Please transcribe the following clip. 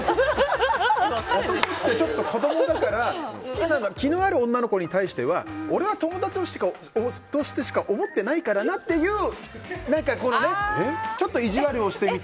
ちょっと子供だから気のある女の子に対しては俺は友達としてしか思ってないからなという何かこういる？